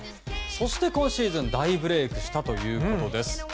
そして今シーズン大ブレークしたということです。